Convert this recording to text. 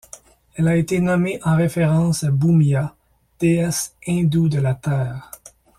Elle a été nommée en référence à Bhumiya, déesse hindoue de la Terre.